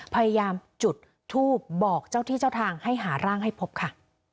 พยายามจุดทูบบอกเจ้าที่เจ้าทางให้หาร่างให้พบค่ะ